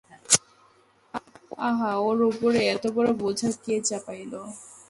আহা, ওর উপরে এতবড়ো বোঝা কে চাপাইল!